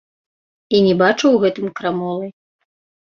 І не бачу ў гэтым крамолы.